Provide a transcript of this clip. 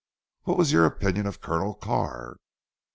"What was your opinion of Colonel Carr?"